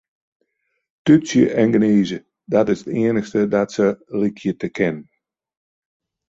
Tútsje en gnize, dat is it iennichste dat se lykje te kinnen.